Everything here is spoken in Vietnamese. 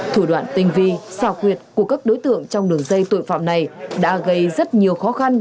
thủ đoạn tinh vi xảo quyệt của các đối tượng trong đường dây tội phạm này đã gây rất nhiều khó khăn